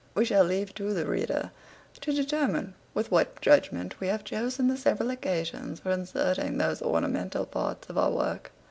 We shall leave to the reader to determine with what judgment we have chosen the several occasions for inserting those ornamental parts of our work.